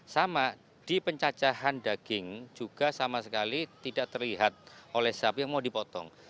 sama di pencacahan daging juga sama sekali tidak terlihat oleh sapi yang mau dipotong